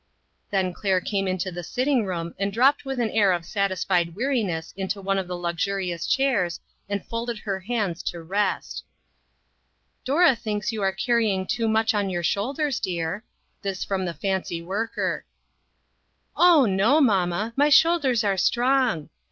Then Claire came into the sitting room, and dropped with an air of satisfied weari ness into one of the luxurious chairs, and folded her hands to rest. "Dora thinks you are carrying too much on your shoulders, dear." This from the fancy worker. "Oh, no, mamma, my shoulders are strong. REACHING INTO TO MORROW.